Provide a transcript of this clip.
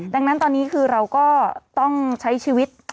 ดังนั้นตอนนี้คือเราก็ต้องใช้ชีวิต